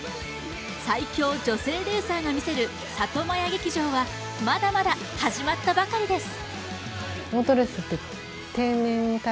最強女性レーサーが見せるサトマヤ劇場はまだまだ始まったばかりです。